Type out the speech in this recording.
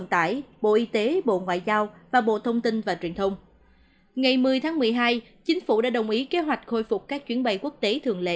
ngày một mươi tháng một mươi hai chính phủ đã đồng ý kế hoạch khôi phục các chuyến bay quốc tế thường lệ